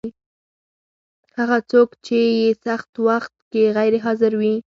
هغه څوک چې په سخت وخت کي غیر حاضر وي